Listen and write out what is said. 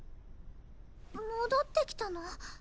戻ってきたの？